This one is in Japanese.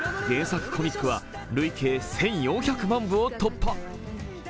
原作コミックは累計１４００万部を突破。